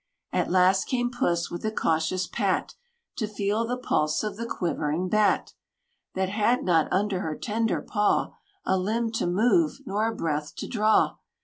At last came Puss, with a cautious pat To feel the pulse of the quivering Bat, That had not, under her tender paw, A limb to move, nor a breath to draw!